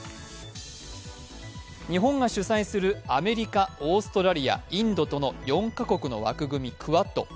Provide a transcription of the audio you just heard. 日本が主催するアメリカ、オーストラリア、インドとの４カ国の枠組み、クアッド。